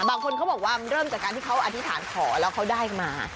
บางคนเขาบอกว่ามันเริ่มจากการที่เขาอธิษฐานขอแล้วเขาได้มา